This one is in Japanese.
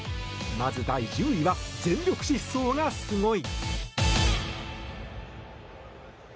まず、第１０位は全力疾走がスゴイ！